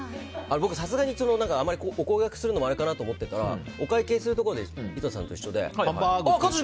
僕、さすがにお声がけするのもあれかなと思ってたらお会計するところで井戸田さんと一緒で。